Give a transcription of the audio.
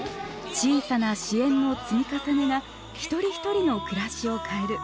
小さな支援の積み重ねが一人一人の暮らしを変える。